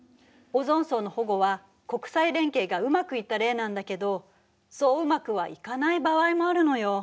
オゾン層の保護は国際連携がうまくいった例なんだけどそううまくはいかない場合もあるのよ。